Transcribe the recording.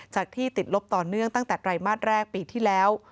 ที่ติดลบต่อเนื่องตั้งแต่ไตรมาสแรกปีที่แล้ว